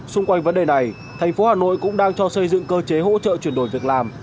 xung quanh vấn đề này thành phố hà nội cũng đang cho xây dựng cơ chế hỗ trợ chuyển đổi việc làm